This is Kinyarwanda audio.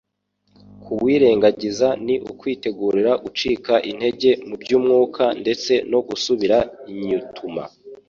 Kuwirengagiza ni ukwitegurira gucika intege mu by'umwuka ndetse no gusubira inytuna.